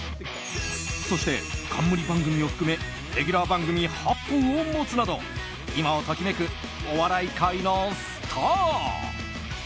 そして、冠番組を含めレギュラー番組８本を持つなど今を時めくお笑い界のスター。